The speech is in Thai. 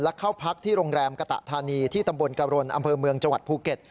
และเข้าพักที่โรงแรมกะตะธานีที่ตำบลกรณอำเภอเมืองจังหวัดภูเก็ต